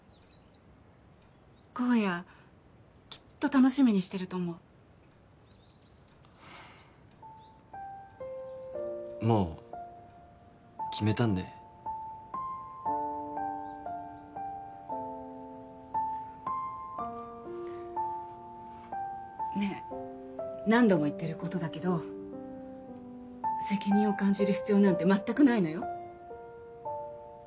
公哉きっと楽しみにしてると思うもう決めたんでねえ何度も言ってることだけど責任を感じる必要なんて全くないのよ